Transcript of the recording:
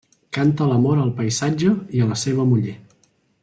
Canta l'amor al paisatge i a la seva muller.